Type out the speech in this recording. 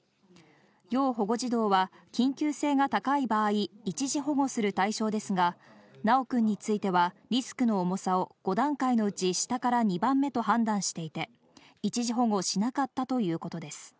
要保護児童は緊急性が高い場合、一時保護する対象ですが、修くんについては、リスクの重さを５段階のうち下から２番目と判断していて、一時保護をしなかったということです。